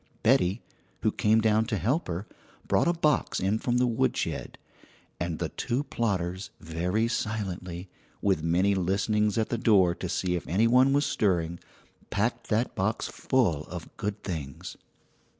Betty, who came down to help her, brought a box in from the woodshed; and the two plotters, very silently, with many listenings at the door to see if any one was stirring, packed that box full of good things.